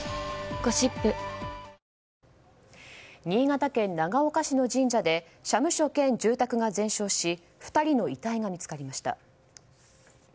新潟県長岡市の神社で社務所兼住宅が全焼し２人の遺体が見つかりました。